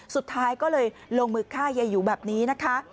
สุดท้ายก็เลยลงมือฆ่ายายหยูแบบนี้นะคะ